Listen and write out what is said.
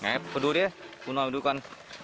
ไงพอดูเดี๋ยวปุ่นหน่อยดูก่อน